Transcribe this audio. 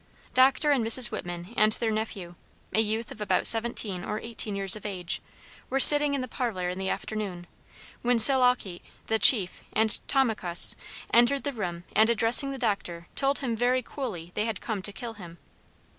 Dr. and Mrs. Whitman and their nephew a youth of about seventeen or eighteen years of age were sitting in the parlor in the afternoon, when Sil aw kite, the chief, and To ma kus, entered the room and addressing the doctor told him very coolly they had come to kill him.